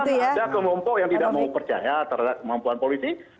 ada kelompok yang tidak mau percaya terhadap kemampuan polisi